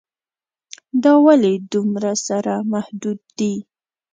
دا ولې دومره سره محدود دي.